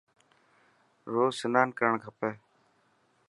روز سنان ڪرڻ کپي.